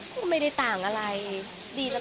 ก็ไม่ได้ต่างอะไรดี